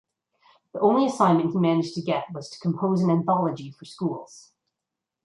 The only assignment he managed to get was to compose an anthology for schools.